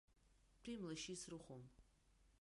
Ҭәи-млашьи срыхәом.